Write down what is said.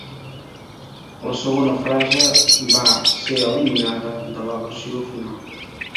La segona frase va ser eliminada de la versió final.